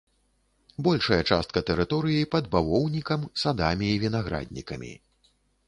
Большая частка тэрыторыі пад бавоўнікам, садамі і вінаграднікамі.